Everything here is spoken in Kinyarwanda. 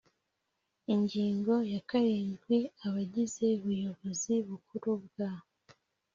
Ingingo ya karindwi Abagize Ubuyobozi Bukuru bwa